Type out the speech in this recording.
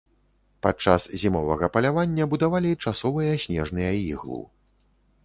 Падчас зімовага палявання будавалі часовыя снежныя іглу.